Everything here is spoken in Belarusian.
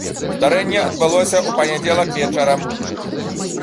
Здарэнне адбылося ў панядзелак вечарам.